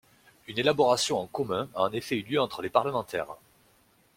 Une élaboration en commun a en effet eu lieu entre les parlementaires.